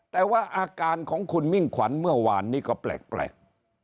แต่ว่าอาการของคุณมิ่งขวัญเมื่อวานนี้ก็แปลก